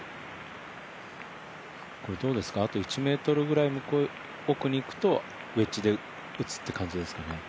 あと１ｍぐらい向こう奥に行くとウェッジで打つという感じですかね？